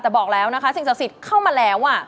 แต่บอกแล้วนะคะสิ่งศักดิ์สิทธิ์เข้ามาแล้ว